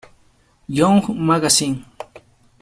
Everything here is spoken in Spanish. Young Magazine